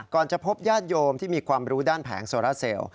จะพบญาติโยมที่มีความรู้ด้านแผงโซราเซล